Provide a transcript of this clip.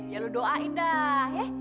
ya lu doain dah ya